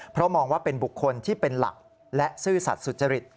เพราะมองว่าเป็นบุคคลที่เป็นหลักและซื่อสัตว์สุจริต